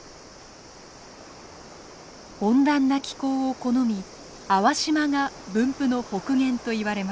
温暖な気候を好み粟島が分布の北限といわれます。